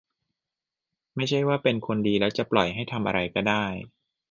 ไม่ใช่ว่า "เป็นคนดี" แล้วจะปล่อยให้ทำอะไรก็ได้